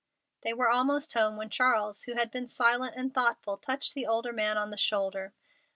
They were almost home when Charles, who had been silent and thoughtful, touched the older man on the shoulder.